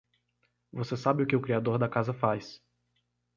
Você sabe o que o criador da casa faz.